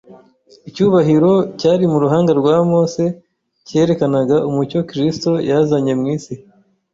Icyubahiro cyari mu ruhanga rwa Mose cyerekanaga umucyo Kristo yazanye mu isi